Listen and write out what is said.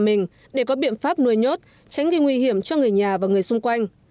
mình để có biện pháp nuôi nhốt tránh gây nguy hiểm cho người nhà và người xung quanh